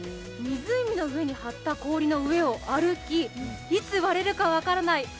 湖の上に張った氷の上を歩き、いつ割れるか分からない